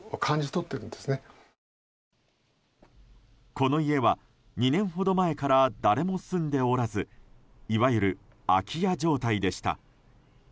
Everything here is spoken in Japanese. この家は、２年ほど前から誰も住んでおらずいわゆる空き家状態でした。